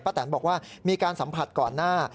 แตนบอกว่ามีการสัมผัสก่อนหน้า